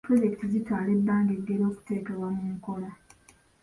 Pulojekiti zitwala ebbanga eggere okuteekebwa mu nkola.